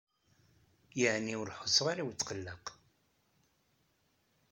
Yeɛni ur ḥusseɣ ara i utqelleq.